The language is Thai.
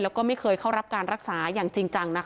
แล้วก็ไม่เคยเข้ารับการรักษาอย่างจริงจังนะคะ